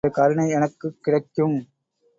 நிச்சயமாக, உங்களுடைய கருணை எனக்குக் கிடைக்கும்.